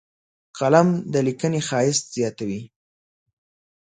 قلم د لیکنې ښایست زیاتوي